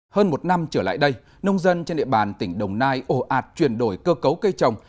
hơn một năm trở lại đây nông dân trên địa bàn tỉnh đồng nai ổ ạt chuyển đổi cơ cấu cây trồng